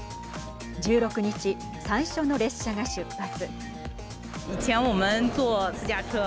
１６日、最初の列車が出発。